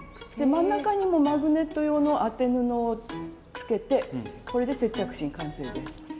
真ん中にもマグネット用の当て布をつけてこれで接着芯完成です。